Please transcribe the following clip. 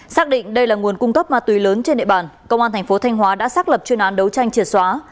xác định đây là nguồn cung cấp ma túy lớn trên địa bàn công an thành phố thanh hóa đã xác lập chuyên án đấu tranh triệt xóa